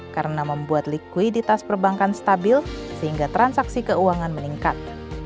karena membuat likuiditas perbankan stabil sehingga transaksi keuangan meningkat